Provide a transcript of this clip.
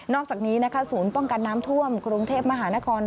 อกจากนี้นะคะศูนย์ป้องกันน้ำท่วมกรุงเทพมหานคร